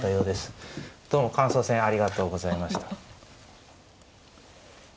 どうも感想戦ありがとうございました。